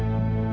aku mau pergi